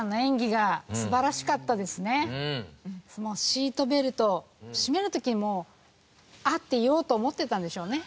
シートベルトを締める時も「あっ！」って言おうと思ってたんでしょうね。